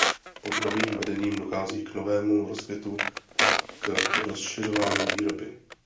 Pod novým vedením dochází k novému rozkvětu a k rozšiřování výroby.